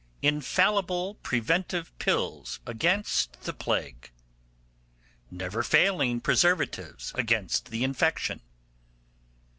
'Infallible preventive pills against the plague.' 'Neverfailing preservatives against the infection.